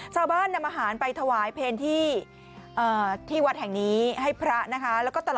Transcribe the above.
นำอาหารไปถวายเพลงที่วัดแห่งนี้ให้พระนะคะ